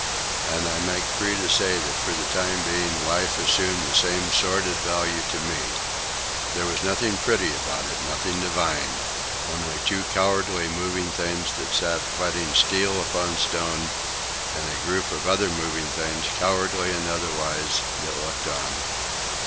And I make free to say that for the time being life assumed the same sordid values to me. There was nothing pretty about it, nothing divine—only two cowardly moving things that sat whetting steel upon stone, and a group of other moving things, cowardly and otherwise, that looked on.